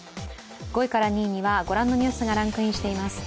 ５位から２位にはご覧のニュースがランクインしています。